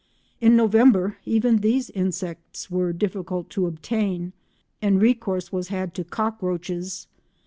In November, even these insects were difficult to obtain, and recourse was had to cockroaches.